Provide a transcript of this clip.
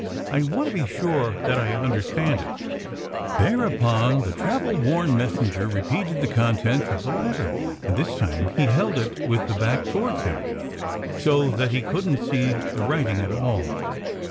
I want to be sure that I understand it." Thereupon the travel worn messenger repeated the contents of the letter. And this time he held it with the back towards him, so that he couldn't see the writing at all.